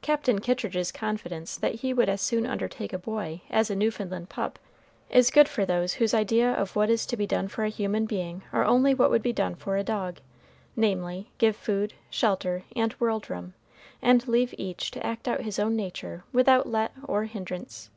Captain Kittridge's confidence that he would as soon undertake a boy as a Newfoundland pup, is good for those whose idea of what is to be done for a human being are only what would be done for a dog, namely, give food, shelter, and world room, and leave each to act out his own nature without let or hindrance.